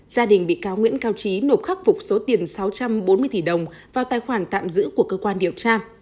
gia đình bị cáo nguyễn cao trí nộp khắc phục số tiền sáu trăm bốn mươi tỷ đồng vào tài khoản tạm giữ của cơ quan điều tra